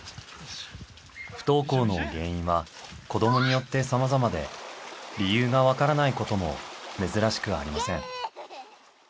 不登校の原因は子どもによってさまざまで理由がわからないことも珍しくありません。